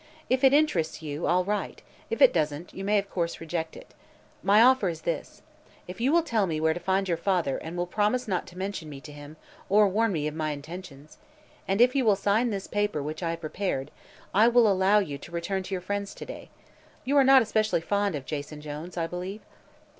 "If it interests you, all right; if it doesn't, you may of course reject it. My offer is this: If you will tell me where to find your father and will promise not to mention me to him or to warn him of my intentions, and if you will sign this paper which I have prepared, I will allow you to return to your friends to day. You are not especially fond of Jason Jones, I believe?"